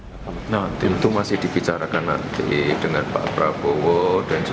dengan demokrat ya dengan semua partai